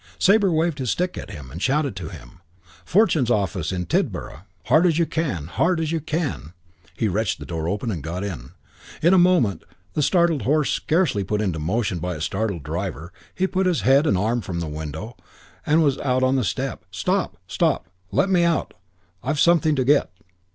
Sabre waved his stick at him, and shouted to him, "Fortune's office in Tidborough. Hard as you can. Hard as you can." He wrenched open the door and got in. In a moment, the startled horse scarcely put into motion by its startled driver, he put his head and arm from the window and was out on the step. "Stop! Stop! Let me out. I've something to get."